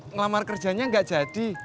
ngelamar kerjanya nggak jadi